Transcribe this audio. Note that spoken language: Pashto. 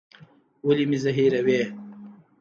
ولي مي زهيروې؟